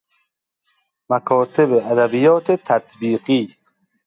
مکاتب ادبیات تطبیقی